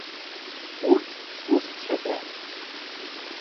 Урт зусҭцәада?